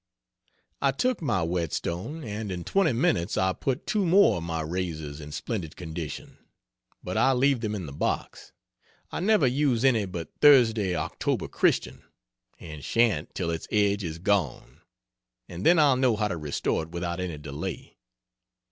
I took my whetstone, and in 20 minutes I put two more of my razors in splendid condition but I leave them in the box I never use any but Thursday O. C., and shan't till its edge is gone and then I'll know how to restore it without any delay.